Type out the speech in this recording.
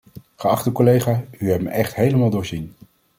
Geachte collega, u hebt me echt helemaal doorzien!